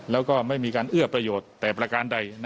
แล้วก็ไม่มีการเอื้อประโยชน์แต่ประการใด